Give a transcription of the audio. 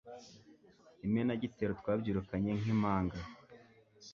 imenagitero twabyirukanye nk'impanga